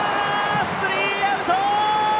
スリーアウト！